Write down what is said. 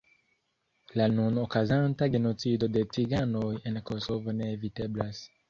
La nun okazanta genocido de ciganoj en Kosovo ne eviteblas.